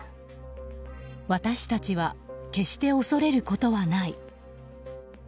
私たちは決して恐れることはない。